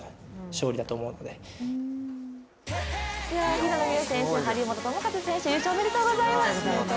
平野美宇選手、張本智和選手、優勝おめでとうございます。